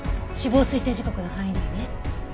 死亡推定時刻の範囲内ね。